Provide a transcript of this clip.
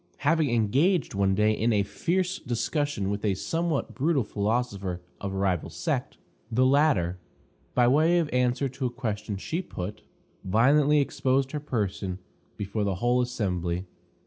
Having engaged one day in a fierce discussion with a somewhat brutal philosopher of a rival sect, the latter, by way of answer to a question she put, violently exposed her person before the whole assembly.